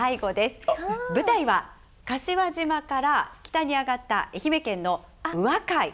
舞台は柏島から北に上がった愛媛県の宇和海。